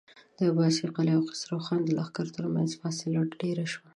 د عباس قلي او خسرو خان د لښکرو تر مينځ فاصله ډېره شوه.